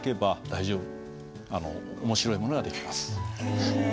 面白いものが出来ます。